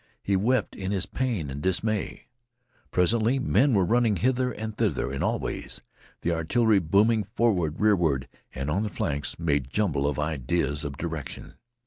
He wept in his pain and dismay. Presently, men were running hither and thither in all ways. The artillery booming, forward, rearward, and on the flanks made jumble of ideas of direction.